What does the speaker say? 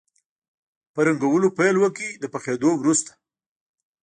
په رنګولو پیل وکړئ د پخېدو وروسته.